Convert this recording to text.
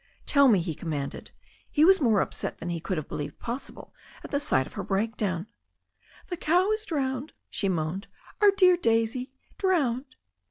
"Tell me," he commanded. He was more upset than he could have believed possible at the sight of her break down. "The cow is drowned," she moaned, "Our dear Daisy drowned